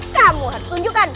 kamu harus tunjukkan